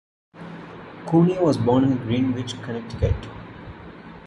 Cooney was born in Greenwich, Connecticut.